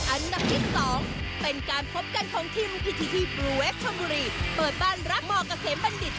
อันดับที่๒เป็นการพบกันของทีมที่ที่ที่บรูเวสชมเปิดบ้านรับหมอกเกษมบัณฑิษฐ์